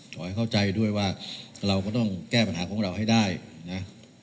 ขอให้เข้าใจด้วยว่าเราก็ต้องแก้ปัญหาของเราให้ได้นะ